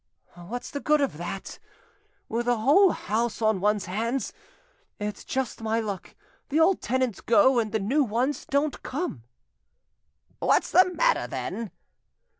"What's the good of that, with a whole house on one's hands? It's just my luck; the old tenants go, and the new ones don't come." "What's the matter, then?"